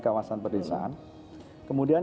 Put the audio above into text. kawasan perdesaan kemudian